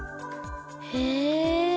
へえ。